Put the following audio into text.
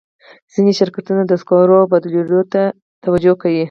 ځینې شرکتونه د سکرو بدیلونو ته توجه کوي.